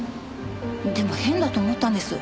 でも変だと思ったんです。